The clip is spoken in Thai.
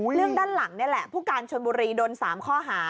เรื่องด้านหลังนี่แหละผู้การชนบุรีโดน๓ข้อหา